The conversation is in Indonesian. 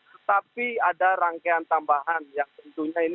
tetapi ada rangkaian tambahan